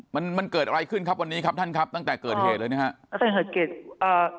มันเกิดอะไรขึ้นครับวันนี้ครับท่านครับตั้งแต่เกิดเหตุเลยเนี่ยฮะ